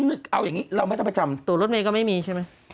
เอาอย่างนี้เราไม่จำตรวจรถเมยก็ไม่มีใช่ไหม